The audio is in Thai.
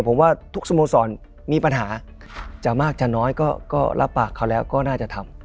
ผมว่าทุกสโมสรมีปัญหาจะมากจะน้อยก็รับปากเขาแล้วก็น่าจะทำ